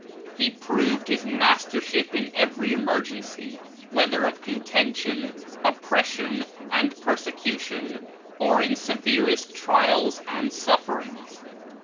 He proved his mastership in every emergency, wheth er of contention, oppression and persecution, or in severest trials and sufferings.